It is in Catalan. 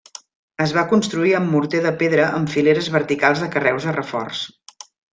Es va construir amb morter de pedra amb fileres verticals de carreus de reforç.